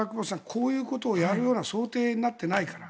こういうことをやるような想定になっていないから。